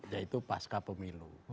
yaitu pasca pemilu